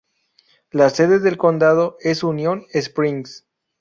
La sede del condado es Union Springs.